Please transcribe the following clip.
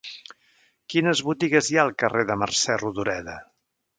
Quines botigues hi ha al carrer de Mercè Rodoreda?